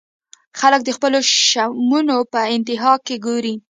خلک د خپلو چشمو پۀ انتها کښې ګوري -